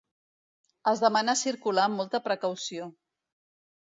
Es demana circular amb molta precaució.